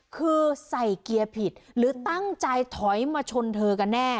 คือใส่เกียร์ผิดหรือตั้งใจถอยมาชนเธอกันแน่